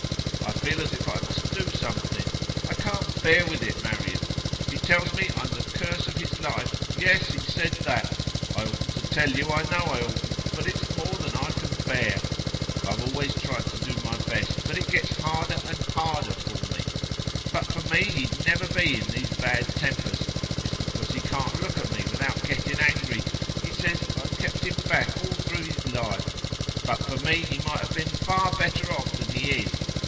I feel as if I must do something; I can't bear with it, Marian. He tells me I'm the curse of his life yes, he said that. I oughtn't to tell you, I know I oughtn't; but it's more than I can bear. I've always tried to do my best, but it gets harder and harder for me. But for me he'd never be in these bad tempers; it's because he can't look at me without getting angry. He says I've kept him back all through his life; but for me he might have been far better off than he is.